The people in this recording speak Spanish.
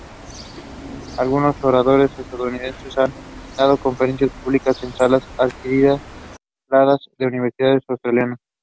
Algunos oradores estadounidenses han dado conferencias públicas en salas alquiladas de universidades australianas.